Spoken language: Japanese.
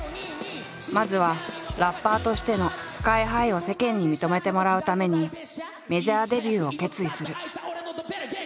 まずはラッパーとしてのＳＫＹ−ＨＩを世間に認めてもらうためにメジャーデビューを決意する。